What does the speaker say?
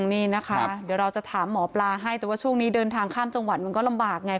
นี่นะคะเดี๋ยวเราจะถามหมอปลาให้แต่ว่าช่วงนี้เดินทางข้ามจังหวัดมันก็ลำบากไง